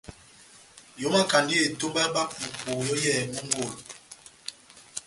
Ihomakandi etomba ya Bapuku yɔ́ yɛ́hɛ́pi mongolo.